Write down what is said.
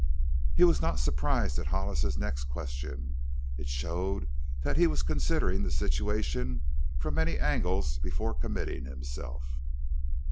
He was not surprised at Hollis's next question; it showed that he was considering the situation from many angles before committing himself.